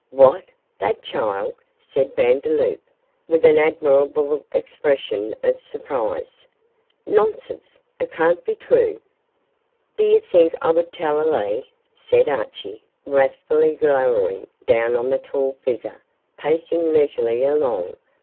'What? that child?' said Vandeloup, with an admirable expression of surprise; 'nonsense! It cannot be true.' 'D'ye think I would tell a lee?' said Archie, wrathfully, glowering down on the tall figure pacing leisurely along.